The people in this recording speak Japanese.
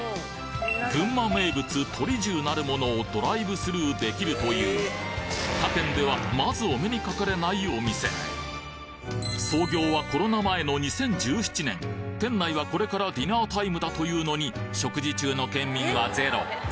群馬名物とり重なるものをドライブスルーできるという他県ではまずお目にかかれないお店創業はコロナ前の２０１７年店内はこれからディナータイムだというのに食事中の県民はゼロ